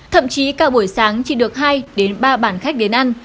thậm chí cả buổi sáng chỉ được hai đến ba bản khách đến ăn